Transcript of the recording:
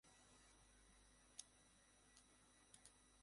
এসব কারণে মেয়েদের একটি অংশ মনে করে, সমাজে তাদের কোনো মূল্য নেই।